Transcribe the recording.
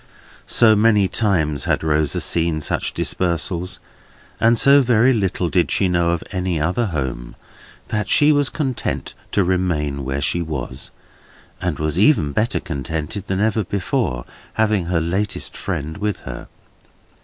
So many times had Rosa seen such dispersals, and so very little did she know of any other Home, that she was contented to remain where she was, and was even better contented than ever before, having her latest friend with her.